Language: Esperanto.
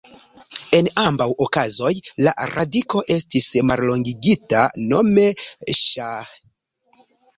En ambaŭ okazoj la radiko estis mallongigita, nome ŝah.